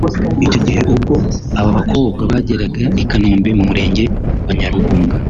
Icyo gihe ubwo aba bakobwa bageraga i Kanombe mu murenge wa Nyarugunga